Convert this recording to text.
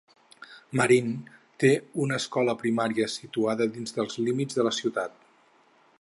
Marine té una escola primària situada dins dels límits de la ciutat.